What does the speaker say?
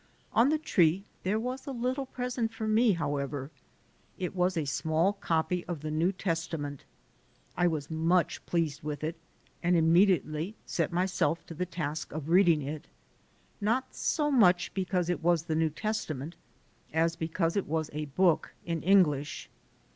On the tree there was a little present for me, however. It was a small copy of the New Testament. I was much pleased with it and immediately set myself to the task of reading it, not so much because it was the New Testament as because it was a book in English.